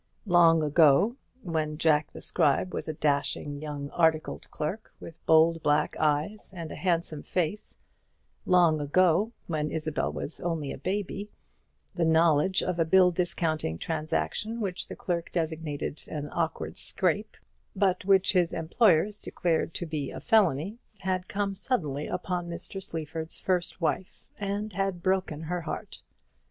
Long ago, when Jack the Scribe was a dashing young articled clerk, with bold black eyes and a handsome face, long ago, when Isabel was only a baby, the knowledge of a bill discounting transaction which the clerk designated an awkward scrape, but which his employers declared to be a felony, had come suddenly upon Mr. Sleaford's first wife, and had broken her heart.